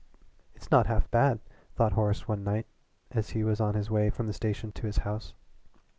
"It's not half bad," thought Horace one night as he was on his way from the station to his house.